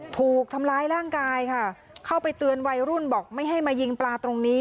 ถูกทำร้ายร่างกายค่ะเข้าไปเตือนวัยรุ่นบอกไม่ให้มายิงปลาตรงนี้